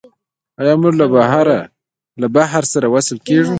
آیا موږ له بحر سره وصل کیږو؟